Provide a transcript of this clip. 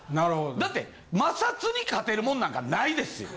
だって摩擦に勝てるもんなんかないですよ！